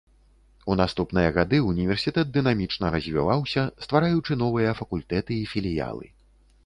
У наступныя гады універсітэт дынамічна развіваўся, ствараючы новыя факультэты і філіялы.